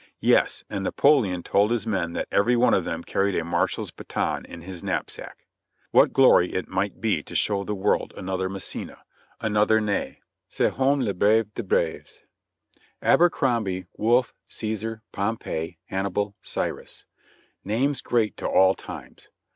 Yes ! and Napo leon told his men that "every one of them carried a marshal's baton in his knapsack." What glory it might be to show the world another Massena — THE RISING OF THE CURTAIN 1 5 another Ney, "cct ho mine le brave des braves." Abercrombie, Wolfe, Caesar, Pompey, Hannibal, Cyrus, — names great to all times.